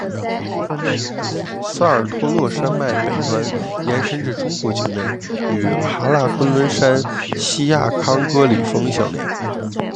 萨尔托洛山脉北端延伸至中国境内与喀喇昆仑山锡亚康戈里峰相连。